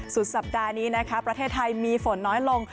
สุดสัปดาห์นี้นะคะประเทศไทยมีฝนน้อยลง